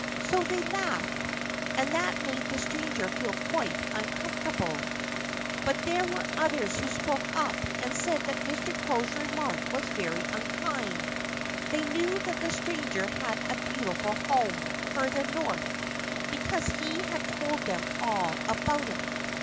So they laughed. And that made the stranger feel quite uncomfortable. But there were others who spoke up and said that Mr. Crow's remark was very unkind. They knew that the stranger had a beautiful home, further north, because he had told them all about it.